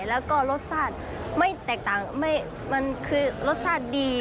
แล้วก็รสชาติไม่แตกต่างมันคือรสชาติดี